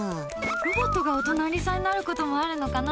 ロボットがお隣さんになることもあるのかな。